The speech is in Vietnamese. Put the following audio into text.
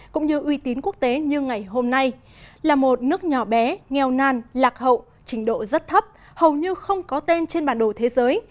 cũng như uy tín quốc tế như ngày hôm nay là một nước nhỏ bé nghèo nan lạc hậu trình độ rất thấp hầu như không có tên trên bản đồ thế giới